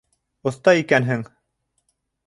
Оҫта икәнһең.